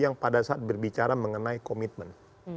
yang pada saat berbicara mengenai komitmen